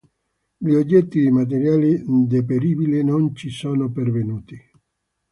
Gli oggetti di materiale deperibile non ci sono pervenuti.